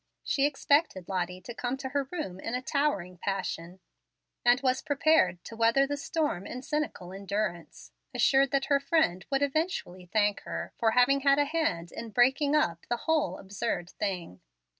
She expected Lottie to come to her room in a towering passion, and was prepared to weather the storm in cynical endurance, assured that her friend would eventually thank her for having had a hand in breaking up the "whole absurd thing."